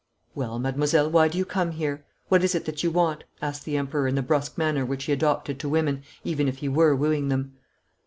'Well, mademoiselle, why do you come here? What is it that you want?' asked the Emperor in the brusque manner which he adopted to women, even if he were wooing them.